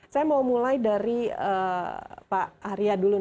saya mau mulai dari pak arya dulu